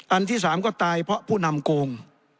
อันที่๓ก็ตายเพราะผู้นำโกง